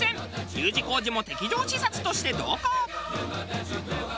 Ｕ字工事も敵情視察として同行！